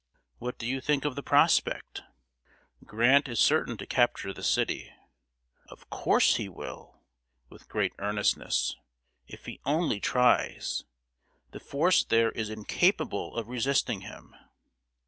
"What do you think of the prospect?" "Grant is certain to capture the city." "Of course he will" (with great earnestness), "if he only tries! The force there is incapable of resisting him."